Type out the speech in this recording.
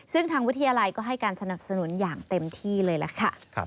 ซึ่งทางวิทยาลัยก็ให้การสนับสนุนอย่างเต็มที่เลยล่ะค่ะ